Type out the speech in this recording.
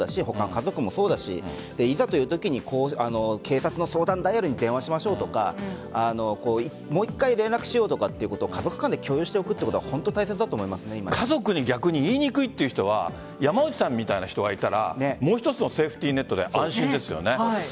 家族もそうだしいざという時に警察の相談ダイヤルに電話しましょうとかもう１回連絡しようとかということを家族間で共有しておくことは家族に逆に言いにくいという人は山内さんみたいな人がいたらもう一つのセーフティーネットで安心ですよね。